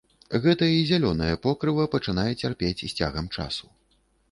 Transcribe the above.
Гэта і зялёнае покрыва пачынае цярпець з цягам часу.